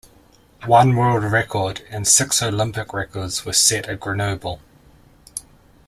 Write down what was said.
One world record and six Olympic records were set at Grenoble.